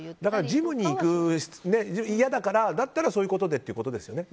ジムに行くのが嫌だからだったらそういうことでということですよね。